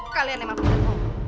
kalian emang penuh